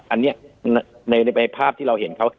อันนี้ในภาพที่เราเห็นเขา